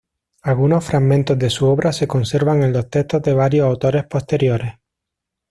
Algunos fragmentos de su obra se conservan en los textos de varios autores posteriores.